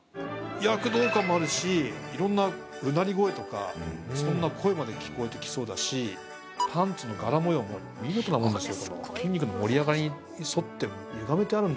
躍動感もあるしいろんなうなり声とかそんな声まで聞こえてきそうだしパンツの柄模様も見事なもんですよ。